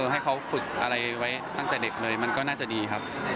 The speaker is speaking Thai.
ให้เขาฝึกอะไรไว้ตั้งแต่เด็กเลยมันก็น่าจะดีครับ